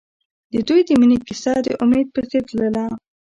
د دوی د مینې کیسه د امید په څېر تلله.